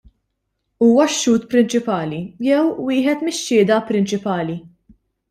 Huwa x-xhud prinċipali, jew wieħed mix-xhieda prinċipali.